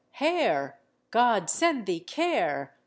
hare! God send thee care!